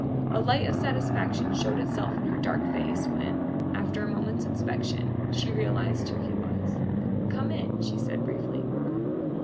A light of satisfaction showed itself in her dark face when, after a moment's inspection, she realized who he was. "Come in," she said briefly.